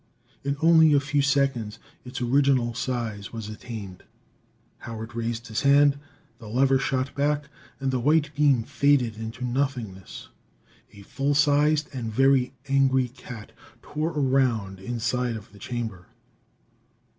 In only a few seconds its original size was attained. Howard raised his hand; the lever shot back and the white beam faded into nothingness. A full sized and very angry cat tore around the inside of the chamber.